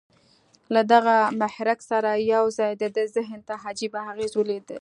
له دغه محرک سره یو ځای د ده ذهن ته عجيبه اغېز ولېږدېد